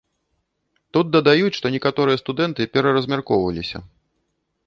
Тут дадаюць, што некаторыя студэнты пераразмяркоўваліся.